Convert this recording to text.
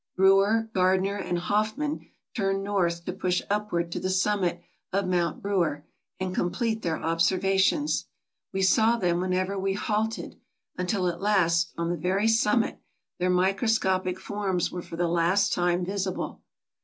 Brewer, Gardner and Hoffman turned north to push upward to the summit of Mount Brewer, and complete their observations. We saw them whenever we halted, until at last, on the very summit, their microscopic forms were for the last time visible.